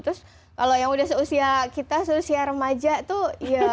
terus kalau yang udah seusia kita seusia remaja tuh ya